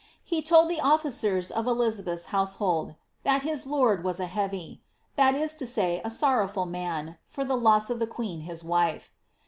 He told the officers of Elizabeth's household ^ that his lord was a heavy," that is to say, a sorrowful ^ man, for the loss of the queen his wife."'